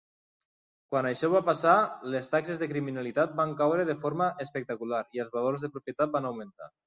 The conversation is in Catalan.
Quan això va passar, les taxes de criminalitat van caure de forma espectacular i els valors de propietat van augmentar.